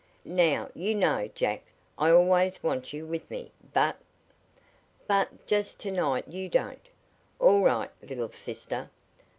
"Now; you know, Jack, I always want you with me, but " "But just to night you don't. All right, little sister.